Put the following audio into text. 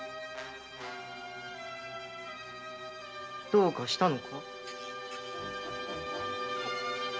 どうかしたのか？